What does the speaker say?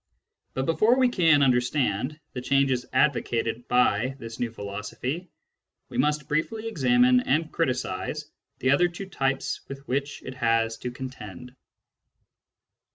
But before we can understand the changes advocated by this new philosophy, we must briefly examine and criticise the other two typtfs with which it has to contend.